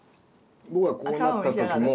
僕はこうなった時も。